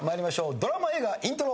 ドラマ・映画イントロ。